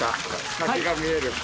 滝が見える。